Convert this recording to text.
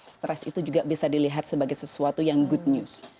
stres itu juga bisa dilihat sebagai sesuatu yang good news